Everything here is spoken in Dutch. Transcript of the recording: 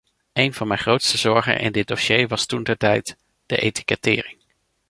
Een van mijn grootste zorgen in dit dossier was toentertijd de etikettering.